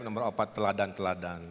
nomor empat teladan teladan